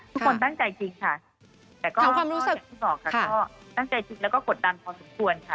ทุกตั้งใจจรรย์ค่ะก็แบบที่บอกค่ะก็ตั้งใจจรรย์จริงแล้วก็กดดันพอสมควรค่ะ